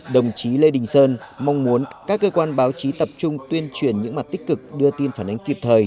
đồng chí lê đình sơn mong muốn các cơ quan báo chí tập trung tuyên truyền những mặt tích cực đưa tin phản ánh kịp thời